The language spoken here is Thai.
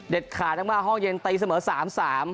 เด็ดขาดมากมากห้องเย็นตีเสมอ๓๓